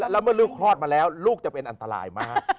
แล้วเมื่อลูกคลอดมาแล้วลูกจะเป็นอันตรายมาก